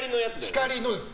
光のです。